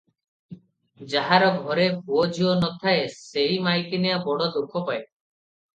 ଯାହାର ଘରେ ପୁଅ ଝିଅ ନ ଥାଏ, ସେଇ ମାଇକିନିଆ ବଡ଼ ଦୁଃଖ ପାଏ ।"